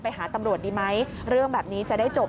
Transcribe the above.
ไปหาตำรวจดีไหมเรื่องแบบนี้จะได้จบ